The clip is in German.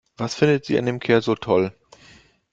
Was findet sie an dem Kerl so toll?